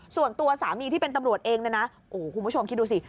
ส่วนตัวสามีที่เป็นตำรวจเองนะคุณผู้ชมคิดดูสิ